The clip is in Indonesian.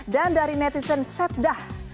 dan dari netizen setdah